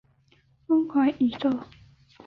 疯狂宇宙